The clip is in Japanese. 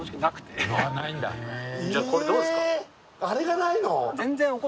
あれがないの？